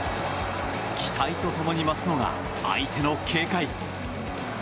期待と共に増すのが相手の警戒。